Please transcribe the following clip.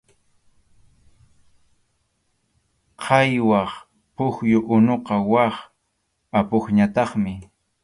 Qhaywaq pukyu unuqa wak apupñataqmi.